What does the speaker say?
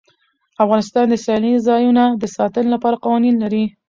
افغانستان د سیلانی ځایونه د ساتنې لپاره قوانین لري.